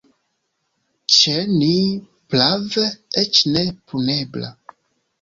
Ĉe ni, prave, eĉ ne punebla.